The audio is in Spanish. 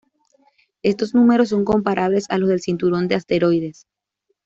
Estos números son comparables a los del cinturón de asteroides.